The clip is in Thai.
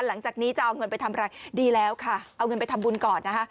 หลังจากนี้จะเอาเงินไปทำอะไรดีแล้วค่ะเอาเงินไปทำบุญก่อนนะคะ